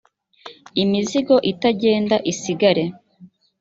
imizigo itagenda isigare.